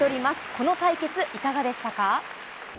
この対決いかがでしたか？